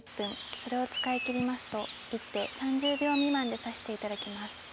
それを使い切りますと一手３０秒未満で指して頂きます。